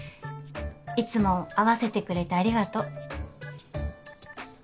いつも合わせてくれてありがとう